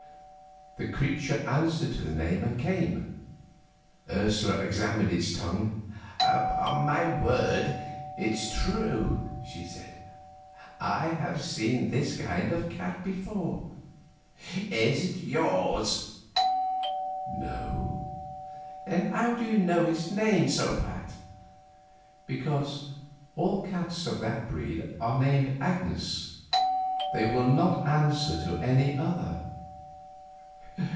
The creature answered to the name and came. Ursula examined its tongue. "Upon my word, it's true!" she said. "I have not seen this kind of a cat before. Is it yours?" "No." "Then how did you know its name so pat?" "Because all cats of that breed are named Agnes; they will not answer to any other."